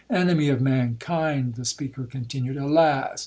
Enemy of mankind!' the speaker continued,—'Alas!